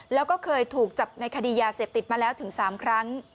แล้วก็เคยถูกจับในคดียาเสพติดมาแล้วถึง๓ครั้ง